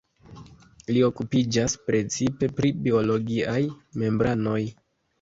Li okupiĝas precipe pri biologiaj membranoj.